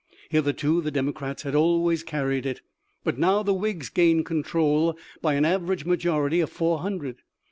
Hith erto the Democrats had always carried it, but now the Whigs gained control by an average majority of four hundred.